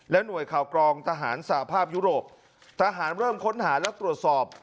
หน่วยข่าวกรองทหารสาภาพยุโรปทหารเริ่มค้นหาและตรวจสอบ